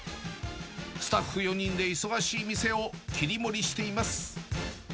スタッフ４人で忙しい店を切り盛りしています。